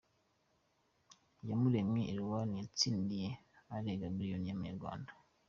Iyamuremye Eloi yatsindiye asaga Miliyoni y'amanyarwanda.